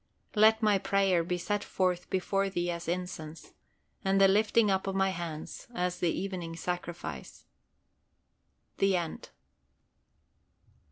"LET MY PRAYER BE SET FORTH BEFORE THEE AS INCENSE: AND THE LIFTING UP OF MY HANDS AS THE EVENING SACRIFICE." THE END.